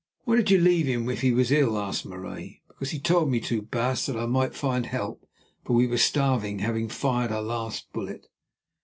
"Why did you leave him if he was ill?" asked Marais. "Because he told me to, baas, that I might find help, for we were starving, having fired our last bullet."